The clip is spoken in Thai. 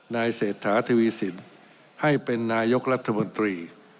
นายเศษฐาทวีสินให้เป็นนายักษ์รัฐบันตรี